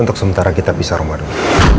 untuk sementara kita pisah rumah dulu